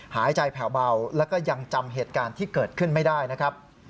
หายใจแผ่วเบาแล้วก็ยังจำเหตุการณ์ที่เกิดขึ้นไม่ได้นะครับ